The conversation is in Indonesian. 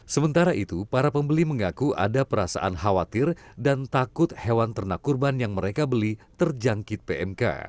sementara itu para pembeli mengaku ada perasaan khawatir dan takut hewan ternak kurban yang mereka beli terjangkit pmk